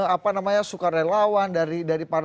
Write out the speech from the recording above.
apa namanya suka relawan dari